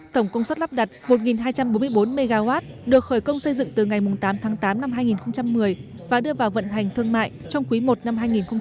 tổng công suất lắp đặt một hai trăm bốn mươi bốn mw được khởi công xây dựng từ ngày tám tháng tám năm hai nghìn một mươi và đưa vào vận hành thương mại trong quý i năm hai nghìn một mươi chín